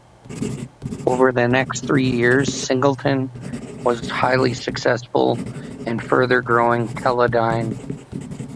Over the next three years, Singleton was highly successful in further growing Teledyne.